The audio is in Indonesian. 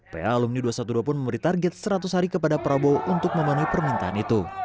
pa alumni dua ratus dua belas pun memberi target seratus hari kepada prabowo untuk memenuhi permintaan itu